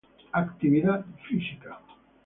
Actividad Física